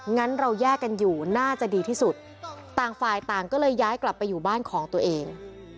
งั้นเราแยกกันอยู่น่าจะดีที่สุดต่างฝ่ายต่างก็เลยย้ายกลับไปอยู่บ้านของตัวเอง